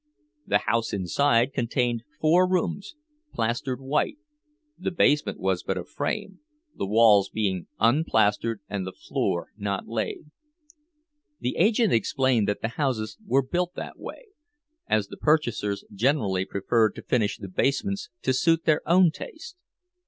The house inside contained four rooms, plastered white; the basement was but a frame, the walls being unplastered and the floor not laid. The agent explained that the houses were built that way, as the purchasers generally preferred to finish the basements to suit their own taste.